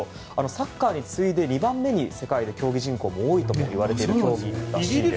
サッカーに次いで２番目に世界で競技人口が多いといわれている競技なんです。